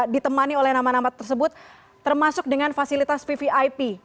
ditemani oleh nama nama tersebut termasuk dengan fasilitas vvip